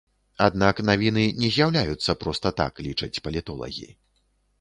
Аднак навіны не з'яўляюцца проста так, лічаць палітолагі.